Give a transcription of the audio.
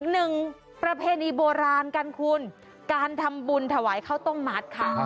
หนึ่งประเพณีโบราณกันคุณการทำบุญถวายข้าวต้มมัดค่ะ